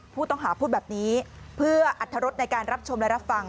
ผู้ต้องหาพูดแบบนี้เพื่ออรรถรสในการรับชมและรับฟัง